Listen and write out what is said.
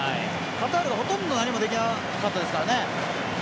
カタールは、ほとんど何もできなかったですからね。